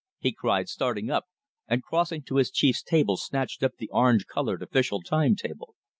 he cried, starting up, and crossing to his chief's table snatched up the orange coloured official time table.